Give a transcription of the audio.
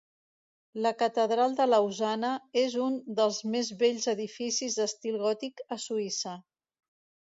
La Catedral de Lausana és un dels més bells edificis d'estil gòtic a Suïssa.